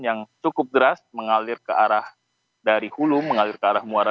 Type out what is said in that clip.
yang cukup deras mengalir ke arah dari hulu mengalir ke arah muara